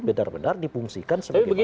benar benar dipungsikan sebagai